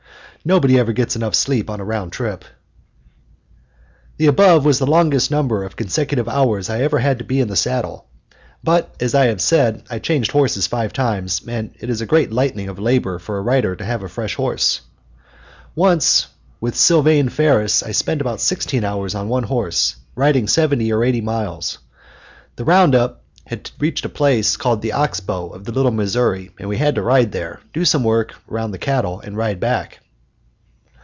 Nobody ever gets enough sleep on a round up. The above was the longest number of consecutive hours I ever had to be in the saddle. But, as I have said, I changed horses five times, and it is a great lightening of labor for a rider to have a fresh horse. Once when with Sylvane Ferris I spent about sixteen hours on one horse, riding seventy or eighty miles. The round up had reached a place called the ox bow of the Little Missouri, and we had to ride there, do some work around the cattle, and ride back.